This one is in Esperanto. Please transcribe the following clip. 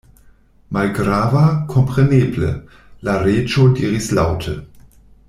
"Malgrava, kompreneble," la Reĝo diris laŭte.